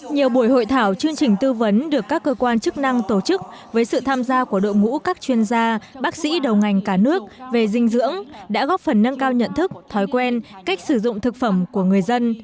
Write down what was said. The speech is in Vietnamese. nhiều buổi hội thảo chương trình tư vấn được các cơ quan chức năng tổ chức với sự tham gia của đội ngũ các chuyên gia bác sĩ đầu ngành cả nước về dinh dưỡng đã góp phần nâng cao nhận thức thói quen cách sử dụng thực phẩm của người dân